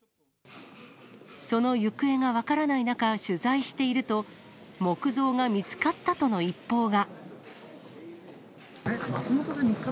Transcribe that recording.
その行方が分からない中、取材していると、木像が見つかったとの一報が。